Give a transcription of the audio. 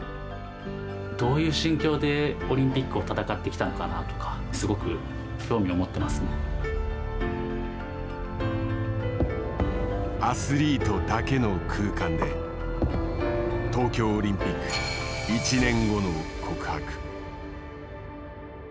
どういう心境でオリンピックを戦ってきたのかなとかアスリートだけの空間で東京オリンピック１年後の告白。